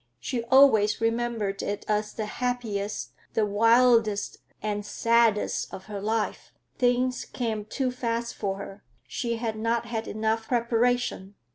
She always remembered it as the happiest and wildest and saddest of her life. Things came too fast for her; she had not had enough preparation.